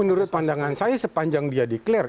menurut pandangan saya sepanjang dia declare